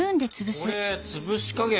これ潰し加減は。